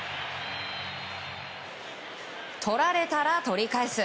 取られたら取り返す。